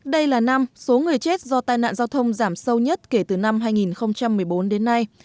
đây là năm số người chết do tai nạn giao thông giảm sâu nhất kể từ năm hai nghìn một mươi bốn đến nay